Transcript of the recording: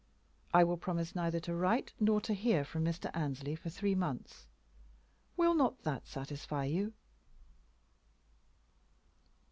I will promise neither to write nor to hear from Mr. Annesley for three months. Will not that satisfy you?"